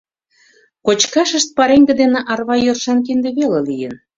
Кочкашышт пареҥге дене арва йӧршан кинде веле лийын.